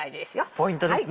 ポイントですね。